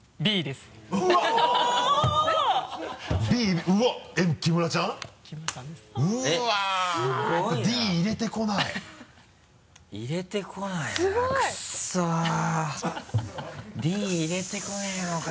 すごい！「Ｄ」入れてこないのかよ。